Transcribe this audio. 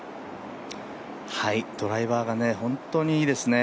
ドライバーが本当にいいですね。